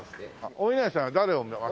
お稲荷さんは誰を祭って。